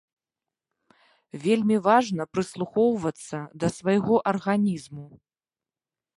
Вельмі важна прыслухоўвацца да свайго арганізму.